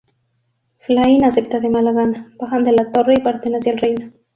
Flynn acepta de mala gana, bajan de la torre y parten hacia el reino.